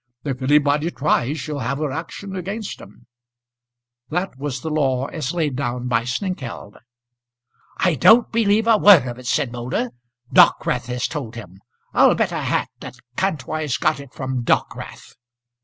If anybody tries she'll have her action against 'em." That was the law as laid down by Snengkeld. "I don't believe a word of it," said Moulder. "Dockwrath has told him. I'll bet a hat that Kantwise got it from Dockwrath."